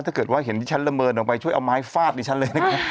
ถ้าเกิดว่าเห็นที่ฉันละเมินออกไปช่วยเอาไม้ฟาดดิฉันเลยนะครับ